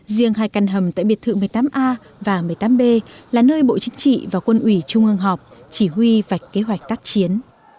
riêng hai căn hầm tại biệt thự một mươi tám a và một mươi tám b là nơi bộ chính trị và quân ủy trung ương họp chỉ huy vạch kế hoạch tác chiến